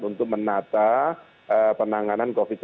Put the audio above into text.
untuk menata penanganan covid sembilan belas